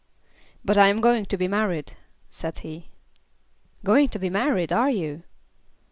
"But I am going to be married," said he. "Going to be married, are you?"